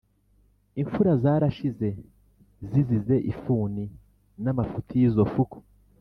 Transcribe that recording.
Imfura zarashize zizize ifuni n'amafuti y'izo fuku